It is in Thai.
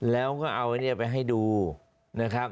แล้วก็เอาเนี่ยไปให้ดูนะครับ